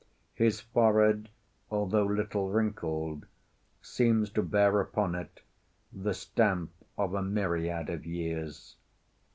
His forehead, although little wrinkled, seems to bear upon it the stamp of a myriad of years.